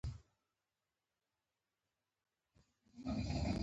د کروندګرو زده کړه او تجربه د حاصل د لوړوالي مهم فکتور دی.